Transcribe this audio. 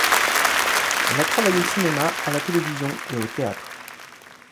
Elle a travaillé au cinéma, à la télévision et au théâtre.